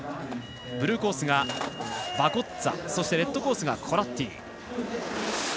ブルーコースがバゴッツァそしてレッドコースがコラッティ。